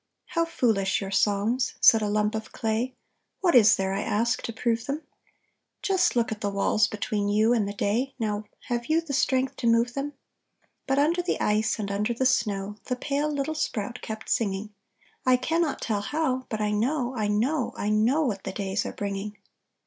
"How foolish your songs," said a lump of clay, "What is there, I ask, to prove them? Just look at the walls between you and the day, Now, have you the strength to move them?" But under the ice and under the snow The pale little sprout kept singing, "I cannot tell how, but I know, I know, I know what the days are bringing."